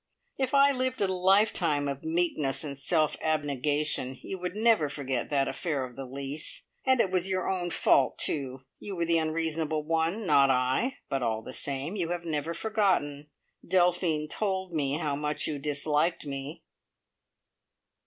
If I lived a lifetime of meekness and self abnegation, you would never forget that affair of the lease. And it was your own fault, too! You were the unreasonable one, not I; but all the same, you have never forgiven. Delphine told me how much you disliked me."